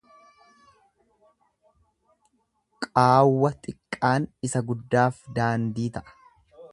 Qaawwa xiqqaan isa guddaaf daandii ta'a.